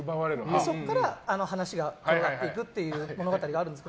そこから話が広がっていく物語があるんですよ。